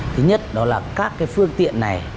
thứ nhất đó là các phương tiện này